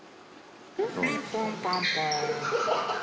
ピンポンパンポン。